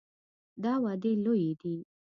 دا وعدې لویې دي.